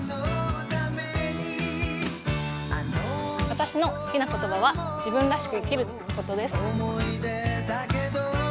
私の好きな言葉は自分らしく生きることです。